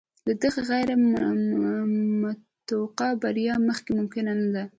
له دغې غیر متوقع بریا مخکې ممکنه نه وه.